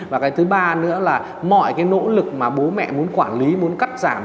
và cái thứ ba nữa là mọi cái nỗ lực mà bố mẹ muốn quản lý muốn cắt giảm